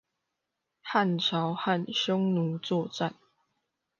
漢朝和匈奴作戰